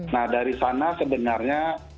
nah dari sana sebenarnya